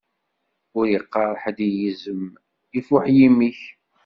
Ur iqqaṛ ḥedd i yizem: ifuḥ yimi-k!